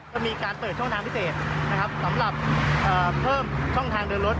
ก็มีการเปิดช่องทางพิเศษนะครับสำหรับเพิ่มช่องทางเดินรถ